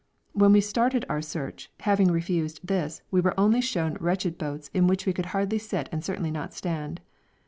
When we started our search, having refused this, we were only shown wretched boats in which we could hardly sit and certainly not stand.